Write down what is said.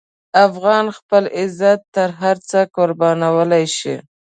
افغان خپل عزت ته هر څه قربانولی شي.